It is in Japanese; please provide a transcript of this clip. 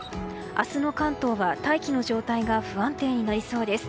明日の関東は大気の状態が不安定になりそうです。